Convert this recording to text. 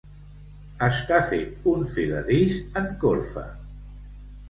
Estar fet un filadís en corfa.